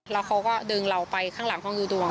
แล้วเขาก็ดึงเราไปข้างหลังห้องดูดวง